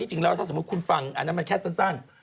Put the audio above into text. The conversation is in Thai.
จริงแล้วถ้าสมมุติคุณฟังอันนั้นมันแค่สั้น